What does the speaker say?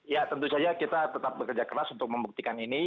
ya tentu saja kita tetap bekerja keras untuk membuktikan ini